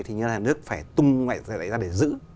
thì như là nước phải tung lại ra để giữ